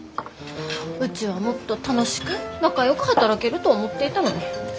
うちはもっと楽しく仲よく働けると思っていたのに。